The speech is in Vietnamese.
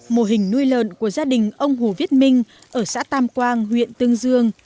mô hình nuôi lợn của gia đình ông hồ viết minh ở xã tam quang huyện tương dương